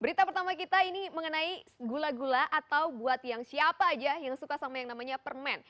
berita pertama kita ini mengenai gula gula atau buat yang siapa aja yang suka sama yang namanya permen